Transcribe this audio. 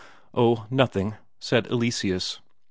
"Oh, nothing," said Eleseus.